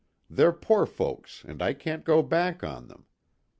They're poor folks and I can't go back on them.